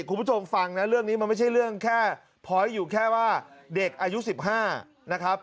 คุณผู้ชมฟังนะเรื่องนี้มันไม่ใช่เรื่องแค่พอยต์อยู่แค่ว่าเด็กอายุ๑๕นะครับ